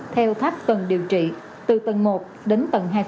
theo tháp phần điều trị từ tầng một đến tầng hai